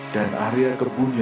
dan banyak saja